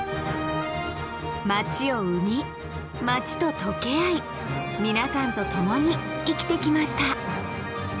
街を生み街と解け合い皆さんと共に生きてきました。